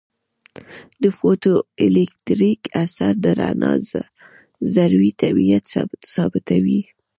د فوټو الیټکریک اثر د رڼا ذروي طبیعت ثابتوي.